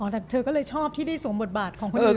แต่เธอก็เลยชอบที่ได้สวมบทบาทของคนอื่น